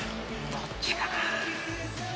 どっちかなぁ。